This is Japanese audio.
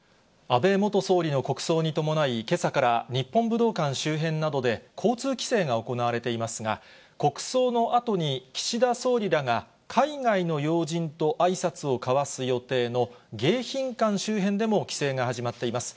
安倍元総理の国葬に伴い、けさから日本武道館周辺などで、交通規制が行われていますが、国葬のあとに岸田総理らが、海外の要人とあいさつを交わす予定の迎賓館周辺でも規制が始まっています。